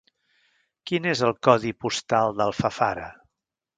Quin és el codi postal d'Alfafara?